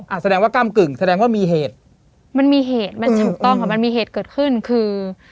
แสดงว่าก้ำกึ่งแสดงว่ามีเหตุมันมีเหตุมันถูกต้องค่ะมันมีเหตุเกิดขึ้นคือ